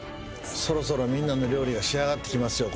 そろそろみんなの料理が仕上がってきますよ